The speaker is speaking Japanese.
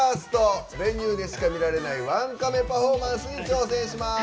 「Ｖｅｎｕｅ」でしか見られないワンカメパフォーマンスに挑戦します。